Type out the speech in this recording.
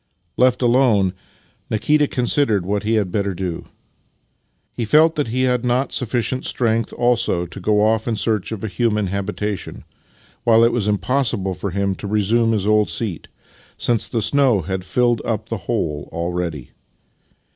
Left alone, Nikita considered what he had better do. He felt that he had not sufficient strength also to go off in search of a human habitation, while it was impossible for him to resume his old seat, since the snow had filled up the hole already.